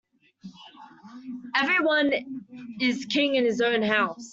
Every one is king in his own house.